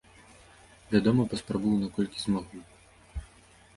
Вядома, паспрабую, наколькі змагу.